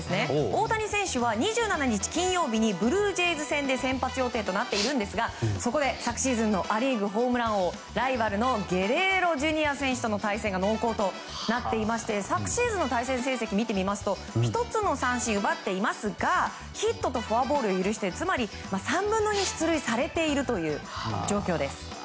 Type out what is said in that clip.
大谷選手は２７日金曜日にブルージェイズ戦で先発予定となっていますがそこで昨シーズンのア・リーグホームラン王ライバルのゲレーロＪｒ．選手との対戦が濃厚となっていまして昨シーズンの対戦成績１つの三振を奪っていますがヒットとフォアボールを許してつまり、３分の２出塁されているという状況です。